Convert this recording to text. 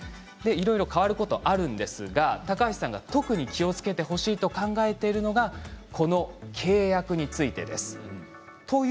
いろいろ変わることがあるんですが、高橋さんが特に気をつけてほしいと考えているのが契約についてです。